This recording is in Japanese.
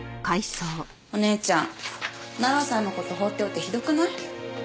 お姉ちゃん直哉さんの事放っておいてひどくない？